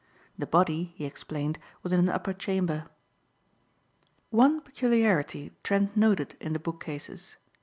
The body, he explained, was in an upper chamber. One peculiarity Trent noted in the book cases.